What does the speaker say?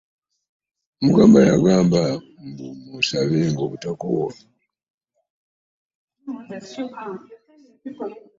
Mukama yagamba mbu musabenga obutakoowa.